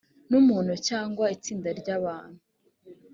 n umuntu cyangwa itsinda ry abantu